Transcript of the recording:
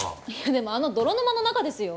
でもあの泥沼の中ですよ？